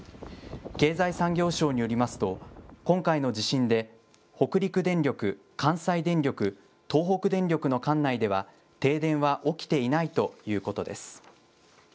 経済産業省によりますと、今回の地震で北陸電力、関西電力、東北電力の管内では、停電は起きていないということです。